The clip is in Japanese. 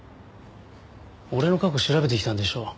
俺の過去調べてきたんでしょ？